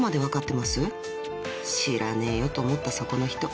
［知らねえよと思ったそこの人。